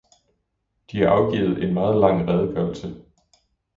De har afgivet en meget lang redegørelse.